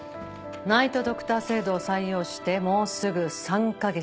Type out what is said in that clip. ナイト・ドクター制度を採用してもうすぐ３カ月。